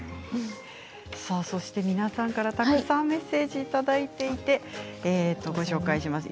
皆さんからたくさんメッセージをいただいていてご紹介します。